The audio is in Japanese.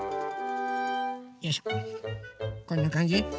よいしょこんなかんじ？